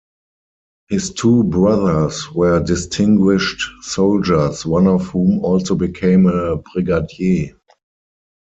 His two brothers were distinguished soldiers, one of whom also became a brigadier.